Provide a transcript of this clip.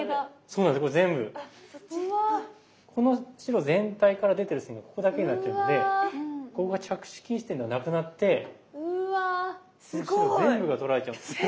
この白全体から出てる線がここだけになっちゃうのでここが着手禁止点ではなくなってこの白全部が取られちゃうんですよ。